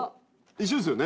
一緒ですよね！